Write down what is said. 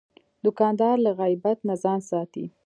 دوکاندار له غیبت نه ځان ساتي.